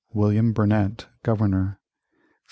William Burnet Governor 1725.